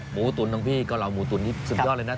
หมูตุ๋นทั้งพี่กล่าวหมูตุ๋นที่สุดยอดเลยนะ